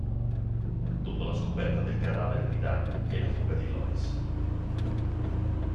Dopo la scoperta del cadavere di Dan e la fuga di Lois.